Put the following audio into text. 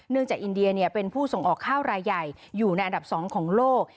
เนื่องจากอินเดียเนี่ยเป็นผู้ส่งออกข้าวรายใหญ่อยู่ในอันดับสองของโลก